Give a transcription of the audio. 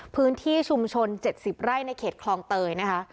พื้นที่ชุมชน๗๐ไร่ในเขตคลองเตยนะคะ